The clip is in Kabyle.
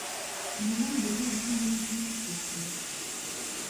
Yella d lawan n yimekli n tṣebḥit.